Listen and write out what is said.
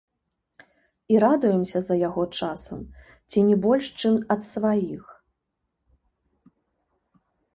І радуемся за яго часам ці не больш, чым ад сваіх.